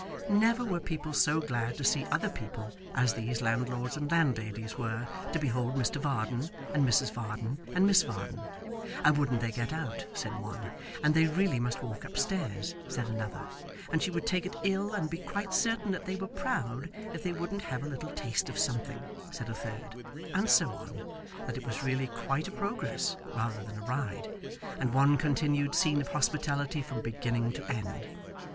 Never were people so glad to see other people as these landlords and landladies were to behold Mr Varden and Mrs Varden and Miss Varden; and wouldn't they get out, said one; and they really must walk upstairs, said another; and she would take it ill and be quite certain they were proud if they wouldn't have a little taste of something, said a third; and so on, that it was really quite a Progress rather than a ride, and one continued scene of hospitality from beginning to end.